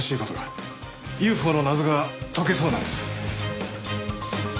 ＵＦＯの謎が解けそうなんです。